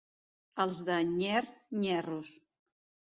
Els de Nyer, nyerros.